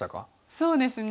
そうですね